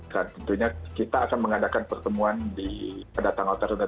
dan tentunya kita akan mengadakan pertemuan pada tanggal tiga puluh satu